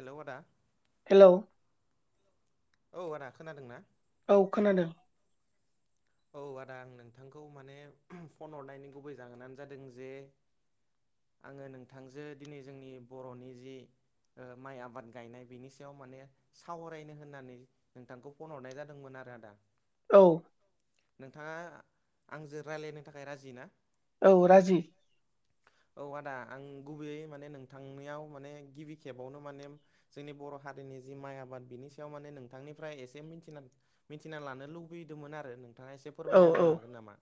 हेल' आदा हेलौ औ आदा खोनादों ना औ खोनादों औ आदा आं नोंथांखौ माने फन हरनायनि गुबै जाहोनानो जादों जे आङो नोंथांजो दिनै जोंनि बर'नि जि माइ आबाद गायनाय बिनि सायाव माने सावरायनो होननानै नोंथांखौ फन हरनाय जादोंमोन आरो आदा औ नोंथाङा आंजों रायलायनो थाखाय राजि ना औ राजि [inaudible] औ आदा आं गुबैयै माने नोंथांनिआव माने गिबि खेबावनो माने जोंनि बर' हारिनि जि माइ आबाद बिनि सायाव माने नोंथांनिफ्राय एसे मिथिनानै मिथिना लानो लुबैदोंमोन आरो नोंथाङा एसे फोरमायना होनो हागोन नामा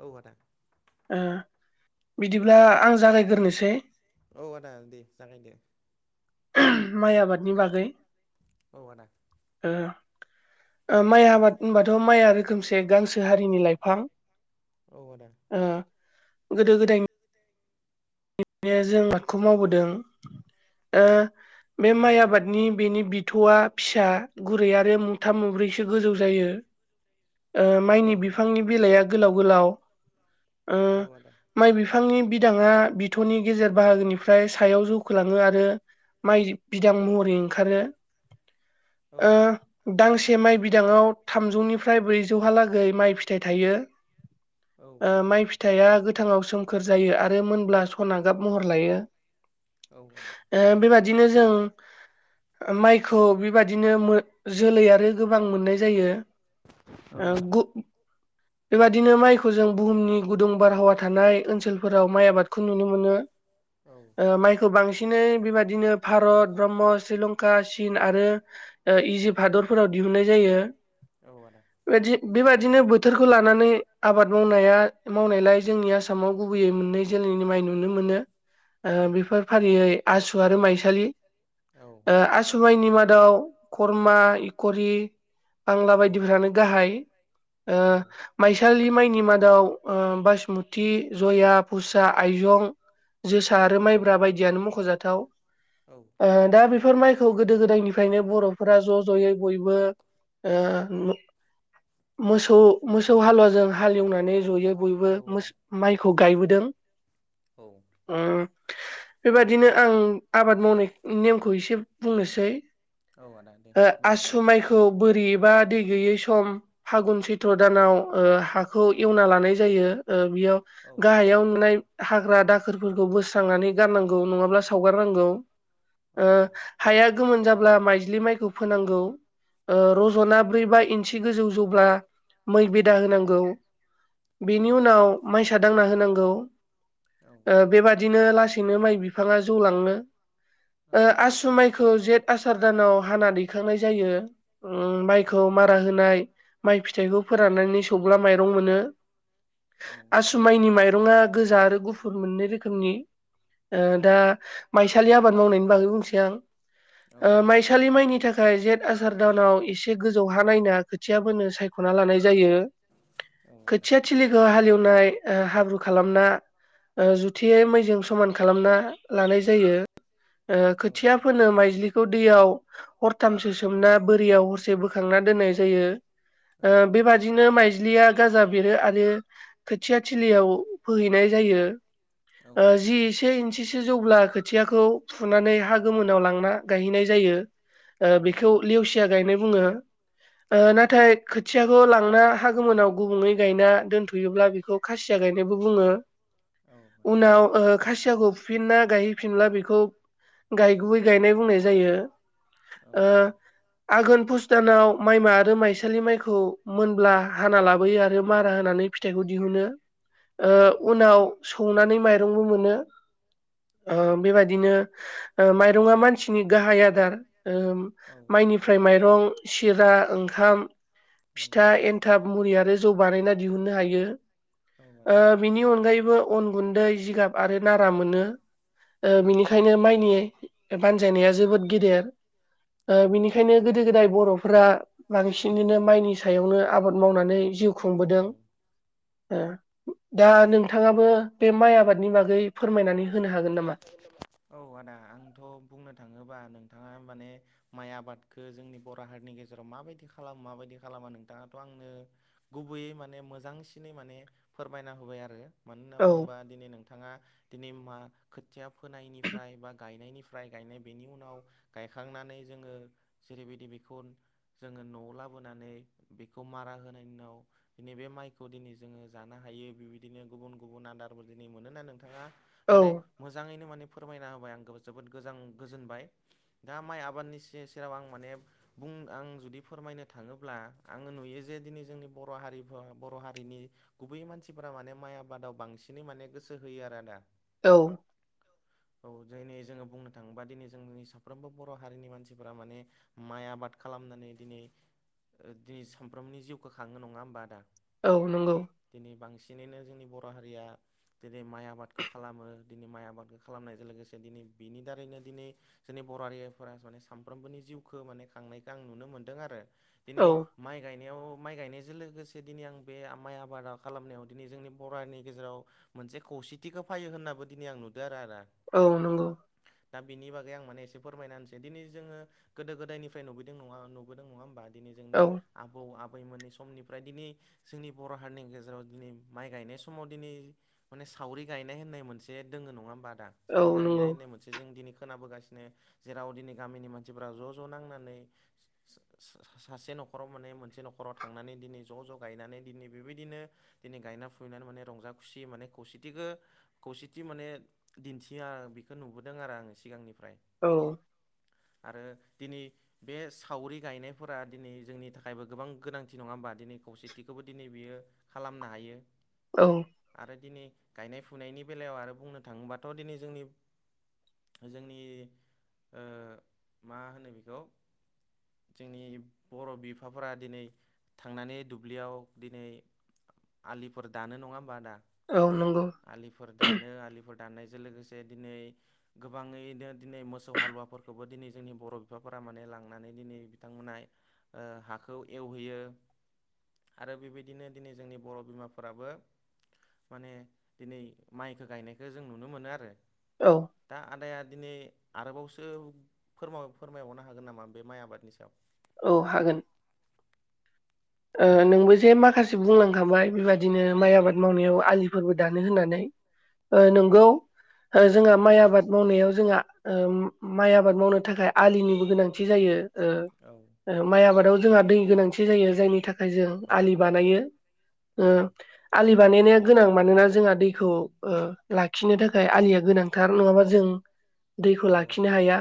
औ आदा बिदिब्ला आं जागायग्रोसै औ आदा दे जागायदे माइ आबादनि बागै औ आदा माइ आबाद होनबाथ' माइया रोखोमसे गांसो हारिनि लाइफां गोदो गोदायनि बिनो जों आबादखौ मावबोदों ओ बे माइ आबादनि बेनि बिथ'आ फिसा गुरै आरो मुथाम मब्रैसो गोजौ जायोओ माइनि बिफांनि बिलाइया गोलाव गोलाव औ आदा माइ बिफांनि बिदाङा बिथौनि गेजेर बाहागोनिफ्राय सायाव जौखोलाङो आरो माइ बिदां महरै ओंखारो दांसे माइ बिदाङाव थामजौनिफ्राय ब्रैजौहालागै माइ फिथाइ थायो ओ माइ फिथाइया गोथाङाव सोमखोर जायो आरो मोनब्ला सना गाब महर लायो औ आदा बेबादिनो जों माइखौ बेबादिनो जोलै आरो गोबां मोननाय जायो गु बेबादिनो माइखौ जों बुहुमनि गुदुं बारहावा थानाय ओनसोलफोराव माइ आबादखौ औ माइखौ बांसिनै बेबादिनो भारत ब्रह्म श्रीलंका चिन आरो इजि हादरफोराव दिहुनन्नाय जायो औ आदा बेदि बेबायदिनो बोथोरखौ लानानै आबाद मावनाया मावनायलाय जोंनि आसामाव गुबैयै मोननै जोलैनि माइ नुनो मोनो बेफोर फारियै आसु आरो माइसालि औ आसुमाइनि मादाव खरमा इखरि बांला बायदिफ्रानो गाहाय। ओ माइसालि माइनि मादाव बासुमति जया खुसा आइजं जोसा आरो माइब्रा बायदियानो मख'जाथाव। ओ दा बेफोर माइखौ गोदो गोदायनिफ्रायनो बर'फोरा ज' ज'यै बयबो ओ मोसौ मोसौ हालुवाजों हालेवनानै जयो बयबो माइखौ गायबोदों औ बेबादिनो आं आबाद मावनाय नेमखौ एसे बुंनोसै आसु माइखौ बोरिबा दै गैयै सम फागुन सैथ्र' दानाव हाखौ एवना लानाय जायो बेयाव गाहायाव हाग्रा दाखोरफोरखौ बोस्रांनानै गारनांगौ नङाब्ला सावगारनांगौ हाया गोमोन जाब्ला माइज्लि माइखौ फोनांगौ रज'ना ब्रै बा इन्सि गोजौ जौब्ला मै बेदा होनांगौ बेनि उनाव माइसा दांना होनांगौ औ बेबादिनो लाैनो माइ बिफाङा जौ लांनो आसु माय माइखौ जेठ आसार दानाव हाना दैखांनाय जायो माइखौ मारा होनाय माइ फिथाइखौ फोराननानै सौब्ला माइरं मोनो आसु माइनि माइरङा गोजा आरो गुफुर मोननै रोखोमनि दा माइसालि आबाद मावनायनि बागै बुंसै आं माइसालि माइनि थाखाय नाथाय जेठ आसार दानाव एसे गोजौ ह नायना खोथियाबोनो सायख'ना लानाय जायो खोथिया थिलिखौ हालेवनाय हाब्रु खालाम जुथयै मैजों समान खालामना लानाय जायो खोथिया फोनो माइजलि खौ दैयाव हरथामसो सोमना बोरियाव हरसे बोखांना दोननाय जायो ओ बेबादिनो माइज्लिया गाजा बेरो आरो खोथिया थिलियाव फोहैनाय जायो ओ जिइसे इस्नि सो जौब्ला खोथियाखौ फुनानै हा गोमोनाव लांना गायहैनाय जायो। ओ बेखौ लेवसिया गायनाय बुङो ओ नाथाय खोथियाखौ लांना हा गोमोनाव गुबुंङै गायना दोनथ'योब्ला बेखौ खासिया गायनाय बु बुङो उनाव ओ खासियाखौ फुफिनना गायहैफिनला बेखौ गायगुबै गायनाय बुंनाय जायो। ओ आघोन पुसतानाव माइमा आरो माइसालि माइखौ मोनब्ला हाना लाबोयो आरो मारा होनानै फि फिथाइखौ दिहुनो ओ उनाव सौनानै माइरंबो मोनो ओ बेबाय दिनो ओ माइरंआ मानसिनि गाहाय आदार ओ माइनि फ्राय माइरं सिरा ओंखाम फिथा एन थाब मुरि आरो जौ बानायना दिहुननो हायो। ओ बिनि अनगायैबो अन गुन्दै जिगाब आरो नारा मोनो ओ बिनि खायनो माइनि बानजायनाया जोबोद गेदेर ओ बिनिखायनो गोदो गोदाय बर'फोरा बांसिनैनो माइनि सायावनो आबाद मावनानै जिउ खुंबोदों। ओ दा नोंथाङाबो बे माइ आबादनि बागै फोरमायनानै होनो हागोन नामा? औ आदा आंथ' बुंनो थाङोबा नोंथाङा माने माइ आबादखो जोंनि बर' हारिनि गेजेराव माबायदि खालामो माबायदि खालामा नोंथाङाथ' आंनो गुबैयै माने मोजांसिनै माने फोरमायना होबाय आरो मानो होनना बुङोबा दिनै नोंथाङा दिनै मा खोथिया फोनायनिफ्राय बा गायनायनि फ्राय गायनाय बेनि उनाव गायखांनानै जोङो जेरैबायदि बिखौ जोङो न'आव लाबोनानै बेखौ मारा होनायनि उनाव दिनै बे माइखौ दिनै जोङो जानो हायो बेबायदिनो गुबुन गुबुन आदारबो दिनै मोनोना नोंथाङा माने मोजाङैनो माने फोरमायना होबाय आं जोबोद गोजां गोजोनबाय। दा माइ आबादनि से-सेराव आं माने बुं आं जुदि फोरमायनो थाङोब्ला आङो नुयो जे दिनै जोंनि बर' हारिफोर बर' हारिनि गुबै मानसिफोरा माने माइ आबादाव बांसिनै माने गोसो होयो आरो आदा। औ औ जायनि जोङो बुंनो थाङोबा दिनै जोंनि साफ्रोमबो बर' हारिनि मानसिफोरा माने माइ आबाद खालामनानै दिनै दिनै सामफ्रोमनि जिउखौ खाङो नङा होमबा आदा? औ नंगौ। दिनै बांसिनैनो जोंनि बर' हारिया दिनै माइ आबादखौ खालामो दिनै माइ आबादखौ खालामनायजों लोगोसे दिनै बिनि दारैनो दिनै जोंनि बर' हारिफोरा माने सानफ्रोमबोनि जिउखौ माने खांनायखौ आं नुनो मोन्दों आरो दिनै। माइ गायनायाव माइ गायनायजों लोगोसे दिनै आं बे माइ आबादा खालामनायाव दिनै जोंनि बर' हारिनि गेजेराव मोनसे खौसेथिखौ फैयो होननाबो दिनै आं नुदों आर-आरो औ नंगौ दा बिनि बागै आं माने एसे फोरमायना होनोसै दिनै जोङो गोदो गोदायनिफ्राय नुबोदों नङा नुबोदों नङा होमबा? दिनै जोंनि आबौ आबैमोननि समनिफ्राय दिनै जोंनि बर' हारिनि गेजेराव दिनै माइ गायनाय समाव दिनै माने सावरि गायनाय होननाय मोनसे दोङो नङा होमबा आदा सावरि गायनाय होननाय मोनसे जों दिनै खोनाबोगासिनो जेराव दिनै गामिनि मानसिफ्रा ज' ज' नांनानै स-स-स-सा-सासे न'खराव माने मोनसे न'खराव थांनानै दिनै ज' ज' गायनानै दिनै बेबायदिनो दिनै गायना फुनानै माने रंजा खुसि माने खौसेथिखो खौसे थि माने दिन्थिया बेखौ नुबोदों आरो आङो सिगांनिफ्राय। औ आरो दिनै बे सावरि गायनायफोरा दिनै जोंनि थाखायबो गोबां गोनांथि नङा होमबा दिनै खौसेथिखौबो दिनै बियो खालामनो हायो औ आरो दिनै गायनाय फुनायनि बेलायाव आरो बुंनो थाङोबाथ' दिनै जोंनि जोंनि ओ मा होनो बेखौ? जोंनि बर' बिफाफोरा दिनै थांनानै दुब्लियाव दिनै। आलिफोर दानो नङा होमबा आदा? औ नंगौ। आलिफोर दानो, आलिफोर दाननायजों लोगोसे दिनै गोबाङैनो दिनै मोसौ हालुवाफोरखौबो दिनै जोंनि बर' बिफाफोरा माने लांनानै दिनै बिथांमोना ओ हाखौ एवहैयो। आरो बेबायदिनो दिनै जोंनि बर' बिमाफोराबो माने दिनै माइखो गायनायखो जों नुनो मोनो आरो। औ। दा आदाया दिनै आरोबावसो फोर-फोरमायबावनो हागोन नामा बे माइ आबादनि सायाव? औ हागोन। ओ नोंबो जे माखासे बुंलांखाबाय बेबादिनो माइ आबाद मावनायाव आलि। फोरबो दानो होननानै ओ नंगौ जोंहा माइ आबाद मावनायाव जोंहा। ओ माइ आबाद मावनो थाखाय आलिनिबो गोनांथि जायो। ओ माइ आबादाव जोंहा दै गोनांथि जायो जायनि। जायजों आलि बानायो ओ। आलि बानायनाया गोनां मानोना जोंहा दैखौ ओ लाखिनो थाखाय आलिया गोनां। थार नङाबा जों दैखौ लाखिनो हाया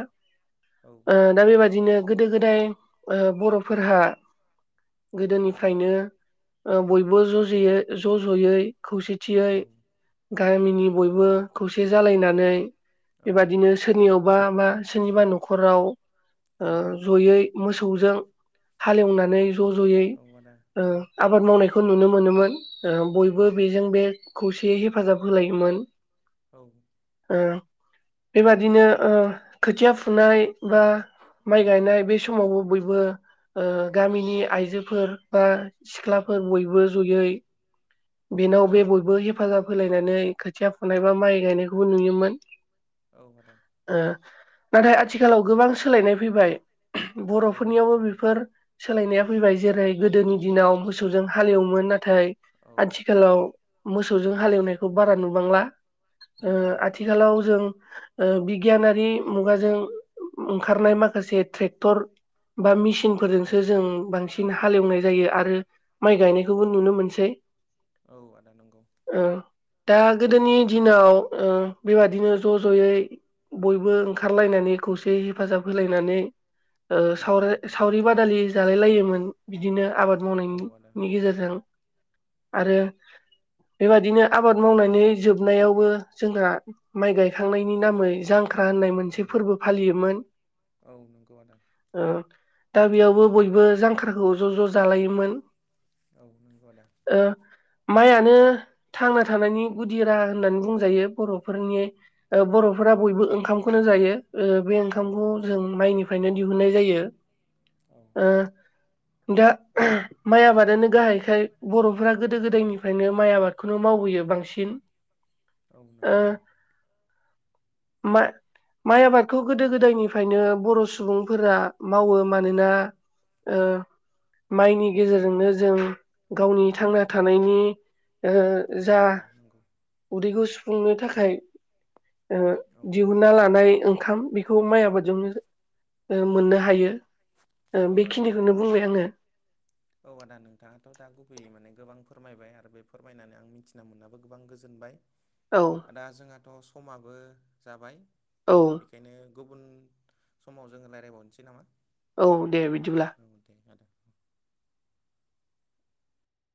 ओ। दा बेबादिनो गोदो-गोदाय ओ बर'फोरहा। गोदोनिफ्रायनो ओ बयबो ज' जयै-ज' ज'यै खौसेथि। थियै गामिनि बयबो खौसे जालायनानै बेबायदिनो। सोरनियावबा बा सोरनिबा न'खराव ओ ज'यै। मोसौजों हालेवनानै ज'-ज'यै ओ। आबाद मावनायखौ नुनो मोनोमोन ओ बयबो बेजों बे खौसेयै हेफाजाब होलायोमोन। औ। ओ बेबादिनो ओ खोथिया फुनाय बा। माइ गायनाय बे समावबो बयबो ओ गामिनि आइजोफोर बा। सिख्लाफोर बयबो ज'यै। बेनाव बे बयबो हेफाजाब होलायनानै खोथिया फुनाय बा माइ गायनायखौबो नुयोमोन। औ आदा। ओ नाथाय आथिखालाव गोबां सोलायनाय फैबाय। बर'फोरनियावबो बेफोर सोलायनाया। फैबाय जेरै गोदोनि दिनाव मोसौजों हालेवोमोन नाथाय आथिखालाव। मोसौजों हालेवनायखौ बारा नुबांला ओ आथिखालाव जों। ओ बिगियानारि मुगाजों ओंखारनाय माखासे ट्रेक्टर। बा मिसिन। फोरजोंसो जों बांसिन हालेवनाय जायो आरो माइ गायनायखौबो नुनो मोनसै। औ आदा नंगौ। ओ दा गोदोनि दिनाव ओ बेबादिनो ज'- ज'यै। बयबो ओंखारलायनानै खौसे हेफाजाब होलायनानै। ओ सावरि-सावरि बादालि जालाय लायोमोन बिदिनो आबाद। मावनायनि गेजेरजों। आरो बेबादिनो आबाद मावनानै जोबनायावबो जोंहा। माइ गायखांनायनि नामै जांख्रा होननाय मोनसे फोरबो फालियोमोन। औ नंगौ आदा। ओ दा बेयावबो बयबो जांख्राखौ ज'-ज' जालायोमोन। औ नंगौ आदा। ओ माइआनो। थांना थानायनि गुदि राहा होननानै बुंजायो बर'फोरनि। ओ बर'फोरा बयबो ओंखामखौनो जायो। ओ बे ओंखामखौ जों माइनिफ्रायनो दिहुननाय जायो। औ। ओ। दा माइ आबादानो गाहायखाय बर'फोरा गोदो गोदायनिफ्रायनो माइ आबाद खुनु मावबोयो बांसिन ओ मा माइ आबादखौ गोदो गोदायनिफ्रायनो बर' सुबुंफोरा मावो मानोना ओ माइनि गेजेरजोंनो जों गावनि थांना थानायनि ओ जा उदैखौ सुफुंनो थाखाय ओ जिउ हुना लानाय ओंखाम बेखौ माइ आबादजोंनो ओ मोननो हायो ओ बेखिनिखौनो बुंबाय आङो औ आदा नोंथाङाथ' दा गुबैयै माने गोबां फोरमायबाय आरो बे फोरमायनानै आं मिथिना मोनाबो गोबां गोजोनबाय औ दा जोंहाथ' समाबो जाबाय औ बेखायनो गुबुन समाव जोङो रायज्लायबावनोसै नामा औ दे बिदिब्ला औ दे आदा